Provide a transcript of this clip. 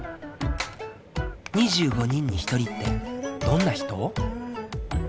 ２５人に１人ってどんな人？